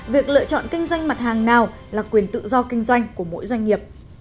việc lựa chọn kinh doanh mặt hàng nào là quyền tự do kinh doanh của mỗi doanh nghiệp